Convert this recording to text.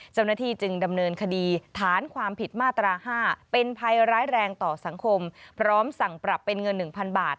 เจ้าหน้าที่จึงดำเนินคดีฐานความผิดมาตรา๕เป็นภัยร้ายแรงต่อสังคมพร้อมสั่งปรับเป็นเงิน๑๐๐๐บาท